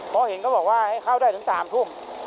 เพราะเห็นก็บอกว่าให้เข้าได้ถึงตามทุ่ม